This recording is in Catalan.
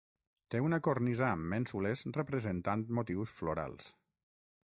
Té una cornisa amb mènsules representant motius florals.